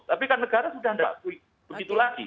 tapi kan negara sudah tidak begitu lagi